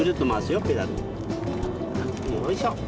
よいしょ。